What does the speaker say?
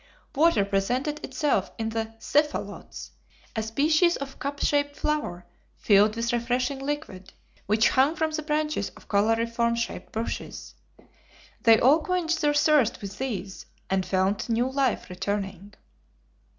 Water presented itself in the CEPHALOTES, a species of cup shaped flower, filled with refreshing liquid, which hung from the branches of coralliform shaped bushes. They all quenched their thirst with these, and felt new life returning.